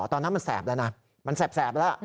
ตอนนั้นมันแสบแล้วนะมันแสบแล้ว